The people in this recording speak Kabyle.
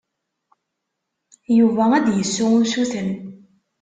Yuba ad d-yessu usuten.